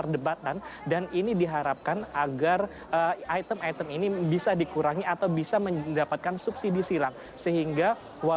hepatly using banan yang memper drawing aku menggunakan pelayanan beli belah lebar yang kepada kita